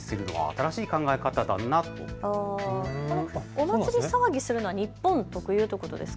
お祭り騒ぎするのは日本特有ということですか。